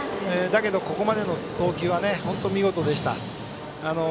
だけどここまでの投球は本当に見事でした。